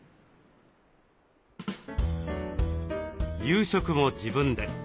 夕食も自分で。